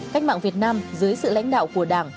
cách mạng việt nam dưới sự lãnh đạo của đảng